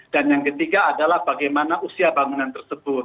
dan yang ketiga adalah bagaimana usia bangunan tersebut